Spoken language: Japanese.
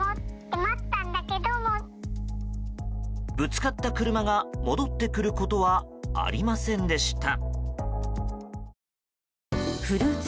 ぶつかった車が戻ってくることはありませんでした。